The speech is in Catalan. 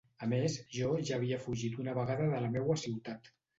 A més, jo ja havia fugit una vegada de la meua ciutat.